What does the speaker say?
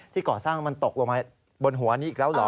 ก่อสร้างมันตกลงมาบนหัวนี้อีกแล้วเหรอ